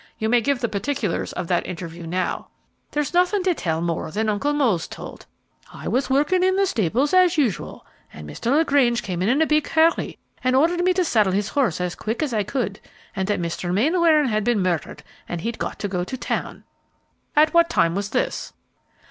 You may give the particulars of that interview now." "There's nothing to tell more than Uncle Mose told. I was working in the stables as usual, and Mr. LaGrange came in in a big hurry and ordered me to saddle his horse as quick as I could, that Mr. Mainwaring had been murdered, and he'd got to go to town." "At what time was this?"